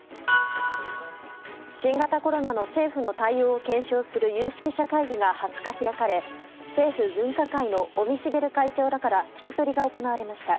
新型コロナの政府の対応を検証する有識者会議が２０日開かれ政府分科会の尾身茂会長らから聞き取りが行われました。